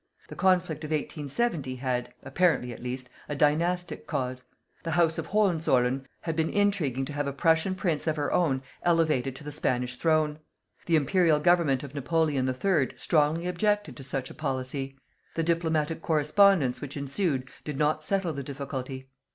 The conflict of 1870 had, apparently at least, a dynastic cause. The House of Hohenzollern had been intriguing to have a Prussian prince of her own elevated to the Spanish Throne. The Imperial Government of Napoleon III strongly objected to such a policy. The diplomatic correspondence which ensued did not settle the difficulty.